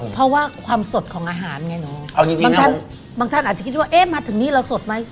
เพราะว่าความสดของอาหารไงเนอะบางท่านอาจจะคิดว่าเอ๊ะมาถึงนี่เราสดไหม